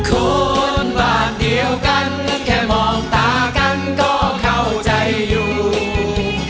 รู้ว่าเหนื่อยแค่ไหนว่านักแค่ไหนบ่นหมดทางสู้